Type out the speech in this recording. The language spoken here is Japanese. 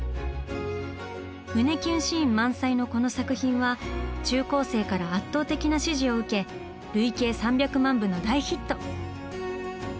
胸キュンシーン満載のこの作品は中高生から圧倒的な支持を受け累計３００万部の大ヒット！